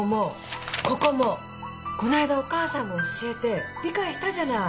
こないだお母さんが教えて理解したじゃない。